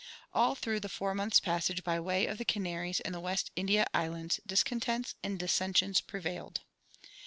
All through the four months' passage by way of the Canaries and the West India Islands discontents and dissensions prevailed.